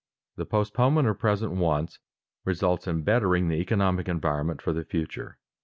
_The postponement of present wants results in bettering the economic environment for the future.